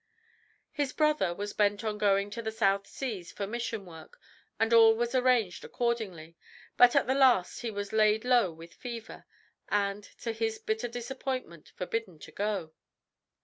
His brother was bent on going to the South Seas for mission work, and all was arranged accordingly; but at the last he was laid low with fever, and, to his bitter disappointment, forbidden to go.